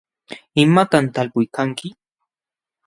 ¿imatam talpuykanki?